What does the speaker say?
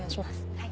はい。